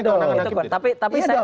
sebenarnya kewenangan hakim tidak